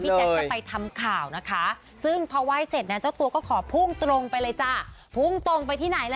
พี่แจ๊กจะไปทำข่าวนะคะซึ่งพอไหว้เสร็จเนี่ยเจ้าตัวก็ขอพุ่งตรงไปเลยจ้ะ